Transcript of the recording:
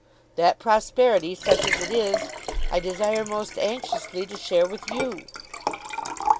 "That prosperity, such as it is, I desire most anxiously to share with you."